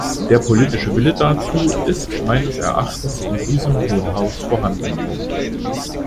Der politische Wille dazu ist meines Erachtens in diesem Hohen Haus vorhanden.